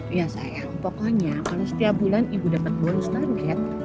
ya sayang pokoknya kalau setiap bulan ibu dapat bonus target